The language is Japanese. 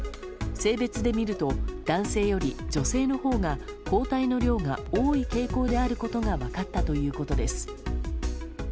性別で見ると男性より女性のほうが抗体の量が多い傾向であることが分かったということです。